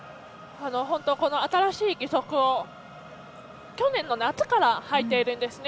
新しい義足を去年の夏からはいているんですね。